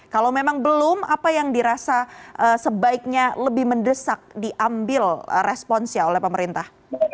kalau memang belum apa yang dirasa sebaiknya lebih mendesak diambil responsnya oleh pemerintah